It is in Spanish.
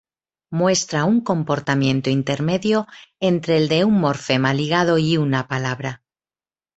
Muestra un comportamiento intermedio entre el de un morfema ligado y una palabra.